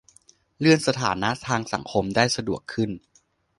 เลื่อนสถานะทางสังคมได้สะดวกขึ้น